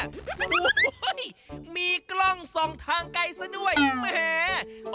โอ้โหมีกล้องส่องทางไกลซะด้วยแหม